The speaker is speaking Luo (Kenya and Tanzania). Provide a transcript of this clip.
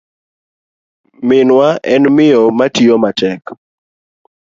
Minwa en miyo matiyo matek.